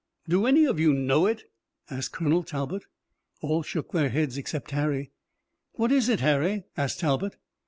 "Do any of you know it?" asked Colonel Talbot. All shook their heads except Harry. "What is it, Harry?" asked Talbot.